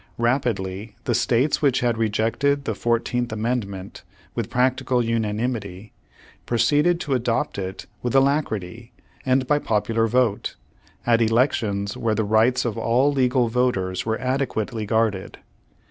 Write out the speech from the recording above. Rapidly the states which had rejected the Fourteenth Amendment with prac tical unanimity, proceeded to adopt it with alac rity, and by popular vote, at elections where the rights of all legal voters were adequately guarded.